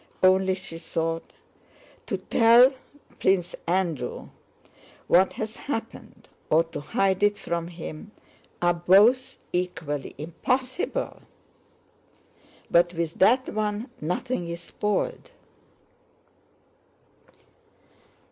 Only," she thought, "to tell Prince Andrew what has happened or to hide it from him are both equally impossible. But with that one nothing is spoiled.